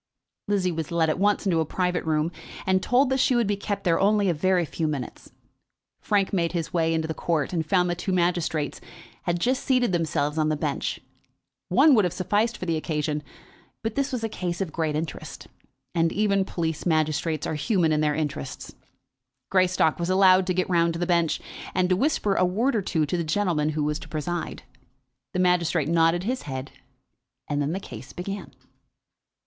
Lizzie was led at once into a private room, and told that she would be kept there only a very few minutes. Frank made his way into the court and found that two magistrates had just seated themselves on the bench. One would have sufficed for the occasion; but this was a case of great interest, and even police magistrates are human in their interests. Greystock was allowed to get round to the bench, and to whisper a word or two to the gentleman who was to preside. The magistrate nodded his head, and then the case began.